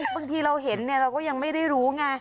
บางทีเราเห็นเราก็ยังไม่ได้รู้ไง